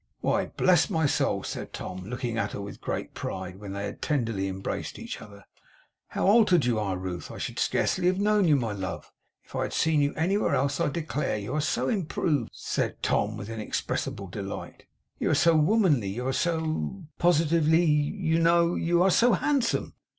'Why, bless my soul!' said Tom, looking at her with great pride, when they had tenderly embraced each other, 'how altered you are Ruth! I should scarcely have known you, my love, if I had seen you anywhere else, I declare! You are so improved,' said Tom, with inexpressible delight; 'you are so womanly; you are so positively, you know, you are so handsome!